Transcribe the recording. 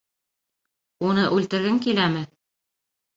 Уны үлтергең киләме?